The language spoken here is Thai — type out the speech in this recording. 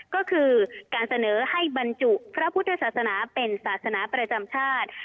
ก็คือการเสนอให้บรรจุพระพุทธศาสนาเป็นศาสนาประจำชาติ